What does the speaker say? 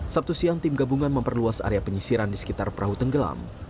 sabtu siang tim gabungan memperluas area penyisiran di sekitar perahu tenggelam